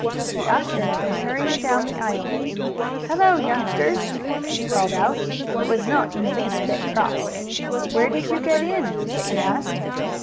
The usher came hurrying down the aisle. "Hello, youngsters!" he called out, but he was not in the least bit cross. "Where did you get in?" he asked.